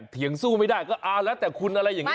เถียงสู้ไม่ได้ก็เอาแล้วแต่คุณอะไรอย่างนี้